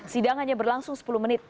sidangannya berlangsung sepuluh menit